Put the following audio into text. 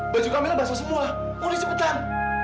baju kamila basah semua mulih cepetan